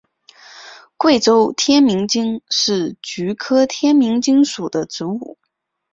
贵州天名精是菊科天名精属的植物。